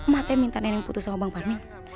mak teh minta neneng putus sama bang pak arwin